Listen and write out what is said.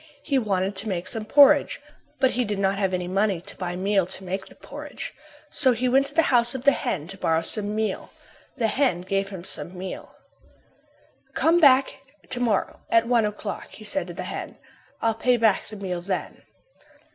He wanted to make some porridge, but he did not have any money to buy meal to make the porridge. So he went to the house of the hen to borrow some meal. The hen gave him some meal. "Come to my house to morrow at one o'clock," he said to the hen, "I'll pay back the meal then."